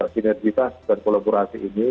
sinergitas dan kolaborasi ini